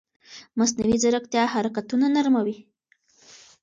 مصنوعي ځیرکتیا حرکتونه نرموي.